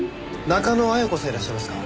中野絢子さんいらっしゃいますか？